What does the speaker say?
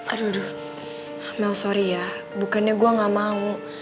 aduh mel maaf ya bukannya gue gak mau